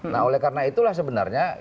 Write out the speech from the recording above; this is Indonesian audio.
nah oleh karena itulah sebenarnya